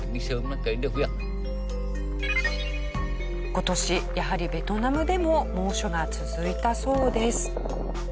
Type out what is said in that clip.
今年やはりベトナムでも猛暑が続いたそうです。